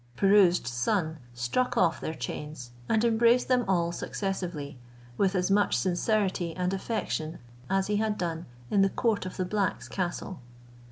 Pirouzč's son struck off their chains, and embraced them all successively, with as much sincerity and affection as he had done in the court of the black's castle.